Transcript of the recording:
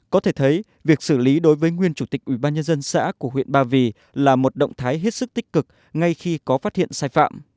có thể thấy việc xử lý đối với nguyên chủ tịch ủy ban nhân dân xã của huyện ba vì là một động thái hết sức tích cực ngay khi có phát hiện sai phạm